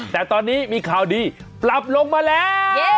แต่ตอนนี้มีข่าวดีปรับลงมาแล้ว